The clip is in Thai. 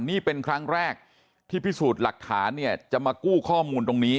นี่เป็นครั้งแรกที่พิสูจน์หลักฐานเนี่ยจะมากู้ข้อมูลตรงนี้